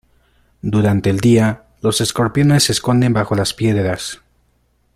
Durante el día los escorpiones se esconden bajo las piedras.